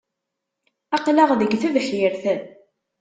Aql-aɣ deg tebḥirt.